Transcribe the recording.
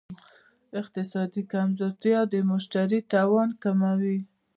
اقتصادي کمزورتیا د مشتري توان کموي.